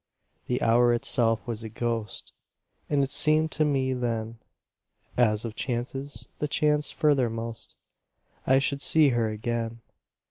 The hour itself was a ghost, And it seemed to me then As of chances the chance furthermost I should see her again.